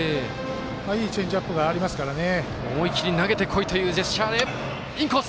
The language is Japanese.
いいチェンジアップがありますからね。